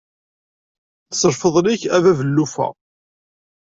S lfeḍl-ik a bab llufa.